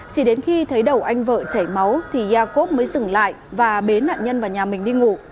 chỉ đến khi thấy đầu anh vợ chảy máu thì yakov mới dừng lại và bế nạn nhân vào nhà mình đi ngủ